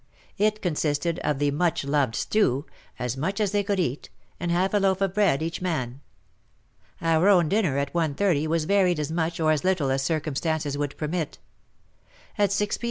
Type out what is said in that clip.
It consisted of the much loved stew — as much as they could eat — and half a loaf of bread each man. Our own dinner at 1.30 was varied as much or as little as circumstances would permit. At 6 p.